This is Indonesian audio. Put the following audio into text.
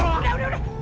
udah udah udah